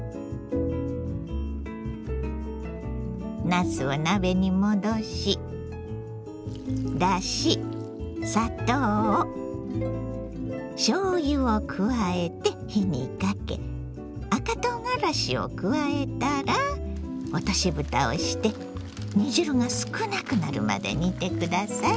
なすを鍋にもどしだし砂糖しょうゆを加えて火にかけ赤とうがらしを加えたら落としぶたをして煮汁が少なくなるまで煮て下さい。